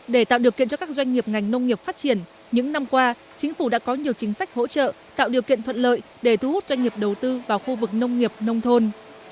để tạo điều kiện cho các doanh nghiệp ngành nông nghiệp phát triển những năm qua chính phủ đã có nhiều chính sách hỗ trợ tạo điều kiện thuận lợi để thu hút doanh nghiệp đầu tư vào khu vực nông nghiệp nông thôn